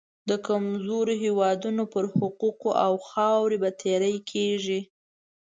د کمزورو هېوادونو پر حقوقو او خاورې به تیری کېږي.